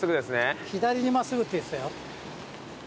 左に真っすぐって言ってたよ。